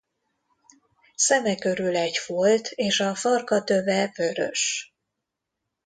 Szeme körül egy folt és a farka töve vörös.